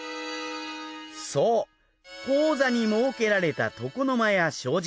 そう高座に設けられた床の間や障子。